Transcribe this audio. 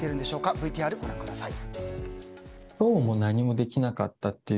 ＶＴＲご覧ください。